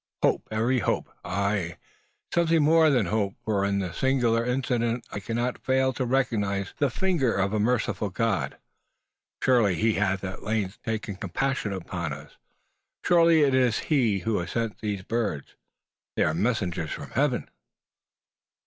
"Hope? Every hope. Ay, something more than hope: for in this singular incident I cannot fail to recognise the finger of a merciful God. Surely He hath at length taken compassion upon us! Surely it is He who has sent these birds! They are messengers from Heaven!"